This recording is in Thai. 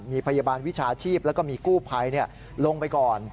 มีพยาบาลวิชาชีพแล้วก็มีกู้ภัยลงไปก่อน